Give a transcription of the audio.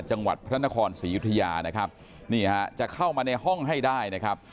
จังหวัดพระนครศรียุธยานะครับนี่ฮะจะเข้ามาในห้องให้ได้นะครับ